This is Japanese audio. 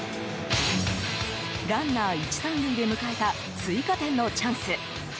ランナー１、３塁で迎えた追加点のチャンス。